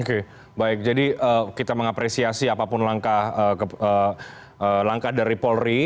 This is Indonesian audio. oke baik jadi kita mengapresiasi apapun langkah dari polri